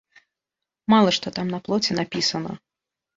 Мала што там на плоце напісана.